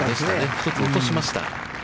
一つ落としました。